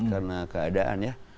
karena keadaan ya